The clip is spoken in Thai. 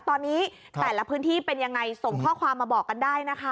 ตอนนี้แต่ละพื้นที่เป็นยังไงส่งข้อความมาบอกกันได้นะคะ